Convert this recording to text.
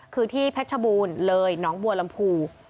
คือที่แพ็ทชะบูนเลยน้องบัวลำพู